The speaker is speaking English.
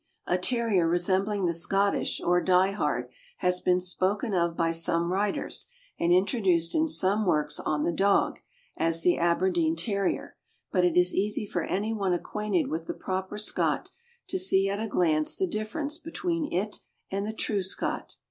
A Terrier resembling the Scottish, or Die hard, has been spoken of by some writers, and introduced in some works on the dog, as the Aberdeen Terrier, but it is easy for anyone acquainted with the proper Scot to see at a glance the difference between it and the true Scot.